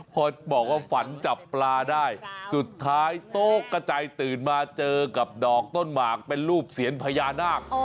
พอบอกว่าฝันจับปลาได้สุดท้ายโต๊ะกระจายตื่นมาเจอกับดอกต้นหมากเป็นรูปเสียนพญานาค